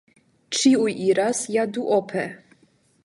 Ĉiuj iras ja duope.